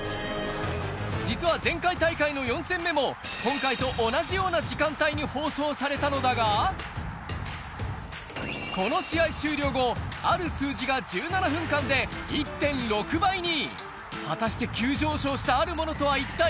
実は前回大会の４戦目も今回と同じような時間帯に放送されたのだが、この試合終了後、ある数字が１７分間で１．６倍に！